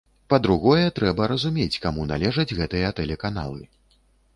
Па-другое, трэба разумець, каму належаць гэтыя тэлеканалы.